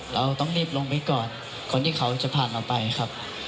เราต้องรีบลงไปก่อนคนที่เขาจะผ่านเราไปครับ